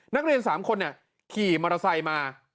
นักเรียน๓คนขี่มอเตอร์ไซค์มา